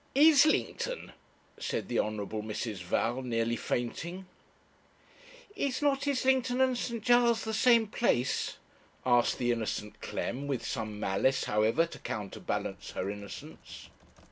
'Islington!' said the Honourable Mrs. Val, nearly fainting. 'Is not Islington and St. Giles' the same place?' asked the innocent Clem, with some malice, however, to counterbalance her innocence.